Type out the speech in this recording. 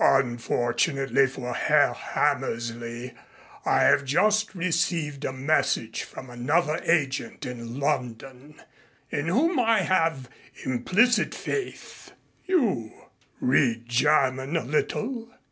"Unfortunately for Herr Hammersley I have just received a message from another agent in London in whom I have implicit faith. You read German a little.